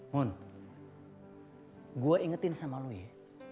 mun gue ingetin sama lo ya